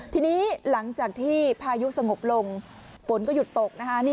ทีนี้หลังจากที่พายุสงบลงฝนก็หยุดตกนะคะ